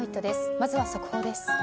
まずは速報です。